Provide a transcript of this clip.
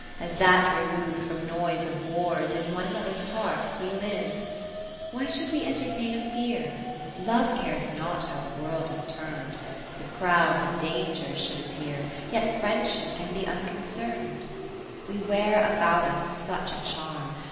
As that remov'd from noise of w^rs, In one another's hearts we live, Why should we entertain a fear ? Love cares not how the World is turn'd : If crowds of dangers should appear, Yet Friendship can be uncon cern'd. 20 VI We wear about us such a charm.